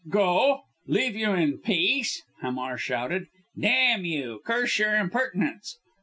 "Go! Leave you in peace!" Hamar shouted. "Damn you, curse your impertinence!